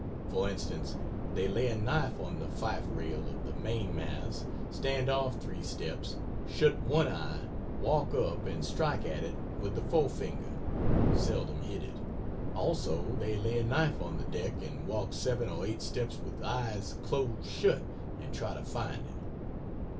For instance: They lay a knife on the fife rail of the mainmast stand off three steps, shut one eye, walk up and strike at it with the fore finger; (seldom hit it;) also they lay a knife on the deck and walk seven or eight steps with eyes close shut, and try to find it.